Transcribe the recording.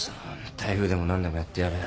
台風でも何でもやってやるよ。